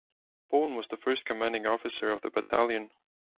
Bone was the first commanding officer of the battalion.